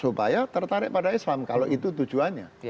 supaya tertarik pada islam kalau itu tujuannya